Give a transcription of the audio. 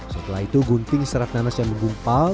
setelah itu gunting serat nanas yang menggumpal